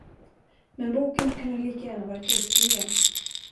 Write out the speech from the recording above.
Men boken kunde lika gärna varit oskriven.